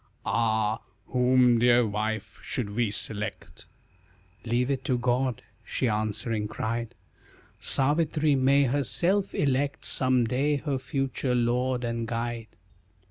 "Ah, whom, dear wife, should we select?" "Leave it to God," she answering cried, "Savitri, may herself elect Some day, her future lord and guide."